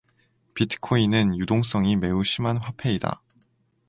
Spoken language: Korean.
비트코인은 유동성이 매우 심한 화폐이다.